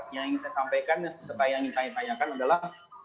yang ingin saya sampaikan adalah